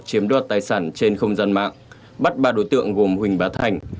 chiếm đoạt tài sản trên không gian mạng bắt ba đối tượng gồm huỳnh bá thành